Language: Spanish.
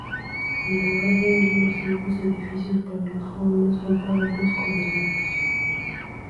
En lugar de ello, los nuevos edificios para los jóvenes son para los condenados.